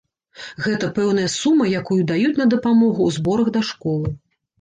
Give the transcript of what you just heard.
Гэта пэўная сума, якую даюць на дапамогу ў зборах да школы.